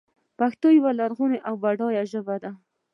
پښتو یوه لرغونې او بډایه ژبه ده.